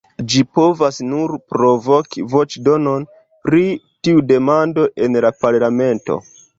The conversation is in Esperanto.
Ĝi povas nur provoki voĉdonon pri tiu demando en la parlamento.